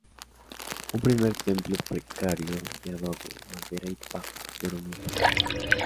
Un primer templo precario de adobe, madera y paja, duró muy pocos años.